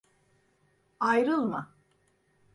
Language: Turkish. Ayrılma.